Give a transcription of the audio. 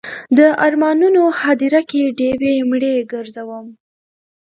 د ارمانونو هدیره کې ډیوې مړې ګرځوم